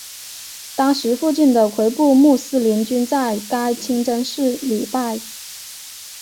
当时附近的回部穆斯林均在该清真寺礼拜。